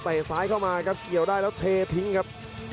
ลูกฟังให้พิ้งครับ